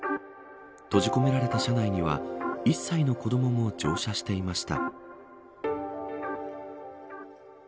閉じ込められた車内には１歳の子どもも乗車していました。